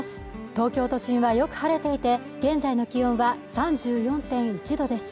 東京都心はよく晴れていて現在の気温は３４．１度です